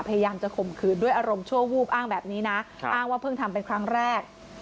พยายามจะข่มขืนด้วยอารมณ์ชั่ววูบอ้างแบบนี้นะอ้างว่าเพิ่งทำเป็นครั้งแรก